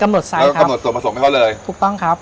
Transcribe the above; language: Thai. กำหนดไซส์ครับกำหนดส่วนผสมให้เขาเลยถูกต้องครับ